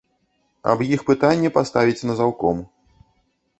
Аб іх пытанне паставіць на заўком.